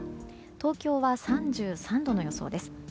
東京は３３度の予想です。